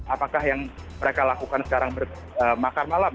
apakah yang mereka lakukan sekarang makan malam